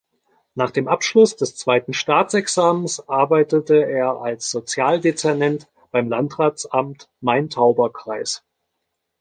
Nach dem Abschluss des zweiten Staatsexamens arbeitete er als Sozialdezernent beim Landratsamt Main-Tauber-Kreis.